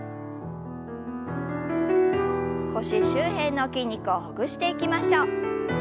腰周辺の筋肉をほぐしていきましょう。